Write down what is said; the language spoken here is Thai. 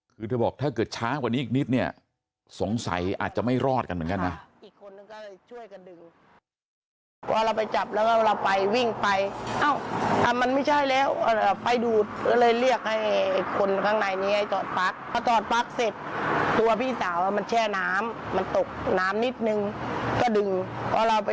คือเธอบอกถ้าเกิดช้ากว่านี้อีกนิดเนี่ยสงสัยอาจจะไม่รอดกันเหมือนกันนะ